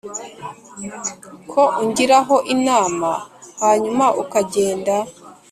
ko ungiraho inama hanyuma ukagenda"